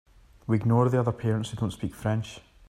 We ignore the other parents who don’t speak French.